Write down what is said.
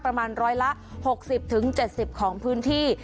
ประมาณร้อยละ๖๐๗๐ของพื้นที่